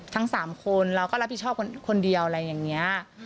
ทั้ง๓คนเราก็รับผิดชอบคนเดียวอะไรอย่างนี้